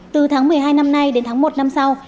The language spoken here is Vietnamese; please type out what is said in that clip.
từ tháng một mươi hai năm nay đến tháng một năm sau